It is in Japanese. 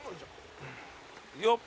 よっ。